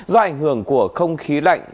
do ảnh hưởng của không khí lạnh